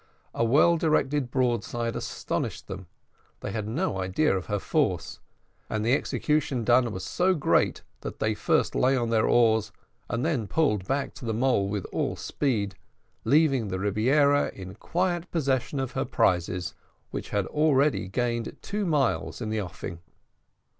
A well directed broadside astonished them they had no idea of her force; and the execution done was so great, that they first lay on their oars and then pulled back to the mole with all speed, leaving the Rebiera in quiet possession of her prizes, which had already gained two miles in the offing.